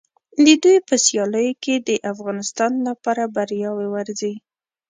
د دوی په سیالیو کې د افغانستان لپاره بریاوې ورځي.